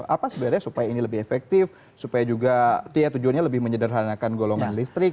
apa sebenarnya supaya ini lebih efektif supaya juga tujuannya lebih menyederhanakan golongan listrik